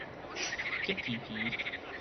激皮皮